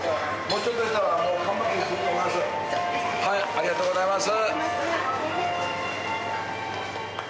ありがとうございます。